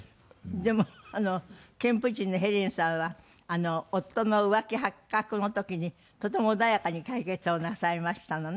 でもあの賢夫人のヘレンさんは夫の浮気発覚の時にとても穏やかに解決をなさいましたのね？